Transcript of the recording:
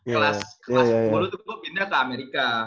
kelas sepuluh tuh gue pindah ke amerika